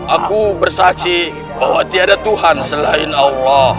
aku bersaji bahwa tiada tuhan selain allah